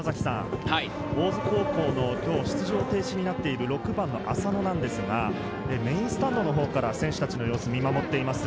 大津高校の今日出場停止になっている６番の浅野なんですが、メインスタンドのほうから選手達の様子を見守っています。